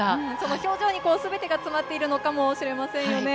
表情に全てが詰まってるのかもしませんね。